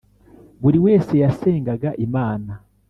buri wese yasengaga imana